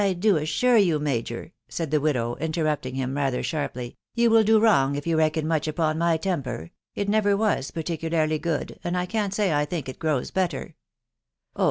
.." u I dttmmwi you* major," said the widow, interrupting him rather sharply ^....* you will do wrong if you. reckon much upon ray temper ..... it never was particularly good, and I 4an1 say I think it grows better/9 " Oh